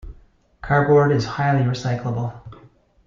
Cardboard is highly recyclable.